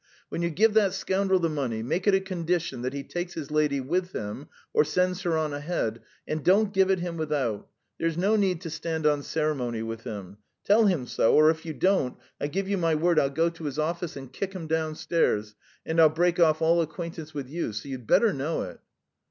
"When you give that scoundrel the money, make it a condition that he takes his lady with him, or sends her on ahead, and don't give it him without. There's no need to stand on ceremony with him. Tell him so, or, if you don't, I give you my word I'll go to his office and kick him downstairs, and I'll break off all acquaintance with you. So you'd better know it."